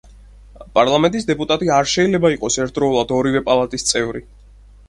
პარლამენტის დეპუტატი არ შეიძლება იყოს ერთდროულად ორივე პალატის წევრი.